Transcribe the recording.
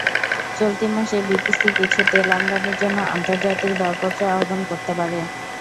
চলতি মাসেই বিপিসি কিছু তেল আমদানির জন্য আন্তর্জাতিক দরপত্র আহ্বান করতে পারে।